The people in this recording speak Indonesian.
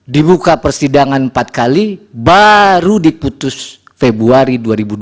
dibuka persidangan empat kali baru diputus februari dua ribu dua puluh